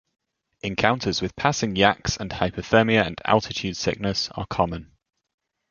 Encounters with passing yaks, and hypothermia and altitude sickness, are common.